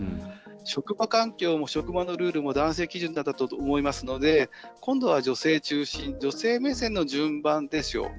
職場環境も職場のルールも男性基準だったと思いますので今度は女性中心女性目線の順番ですよ。